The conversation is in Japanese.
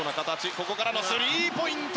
ここからのスリーポイント！